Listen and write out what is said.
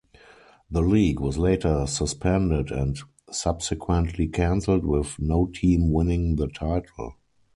The league was later suspended and subsequently cancelled with no team winning the title.